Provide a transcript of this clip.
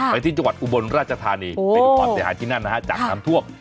จังหวัดอุบลราชธานีเป็นอุบรติศาสตร์ที่นั่นนะฮะจากน้ำทวก